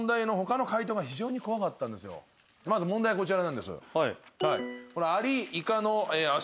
まず問題こちらなんです。